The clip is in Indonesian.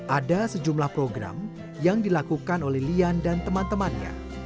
ada sejumlah program yang dilakukan oleh lian dan teman temannya